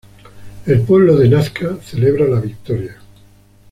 El pueblo de Nazca celebra la Victoria.